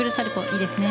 いいですね。